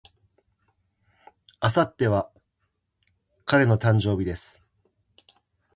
明後日は彼の誕生日です。